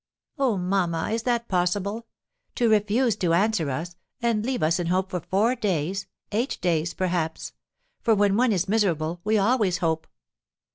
"Oh, mamma, is that possible? to refuse to answer us, and leave us in hope for four days eight days, perhaps; for when one is miserable we always hope."